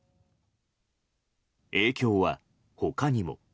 影響は他にも。